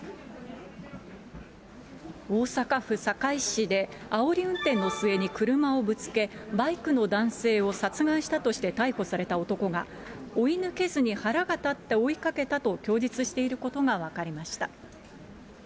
大阪府堺市で、あおり運転の末に車をぶつけ、バイクの男性を殺害したとして逮捕された男が、追い抜けずに腹が立って追いかけたと供述していることが分かりました。